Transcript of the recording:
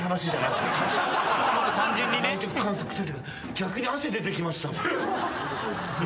逆に汗出てきました。